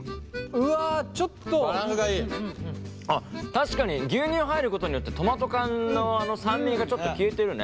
確かに牛乳入ることによってトマト缶のあの酸味がちょっと消えてるね。